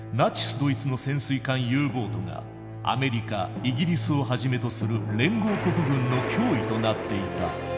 ドイツの潜水艦Ｕボートがアメリカイギリスをはじめとする連合国軍の脅威となっていた。